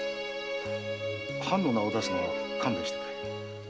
藩の名をだすのは勘弁してくれ。